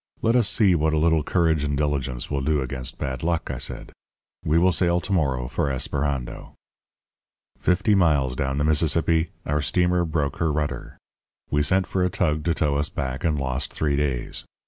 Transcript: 'Let us see what a little courage and diligence will do against bad luck,' I said. 'We will sail to morrow for Esperando.' "Fifty miles down the Mississippi our steamer broke her rudder. We sent for a tug to tow us back and lost three days.